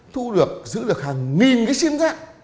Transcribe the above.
thu được giữ được hàng nghìn cái sim rác